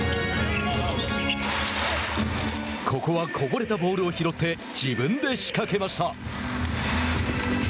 ここはこぼれたボールを拾って自分で仕掛けました。